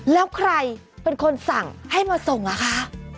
แล้วใครเป็นคนสั่งให้มาส่งอ่ะคะ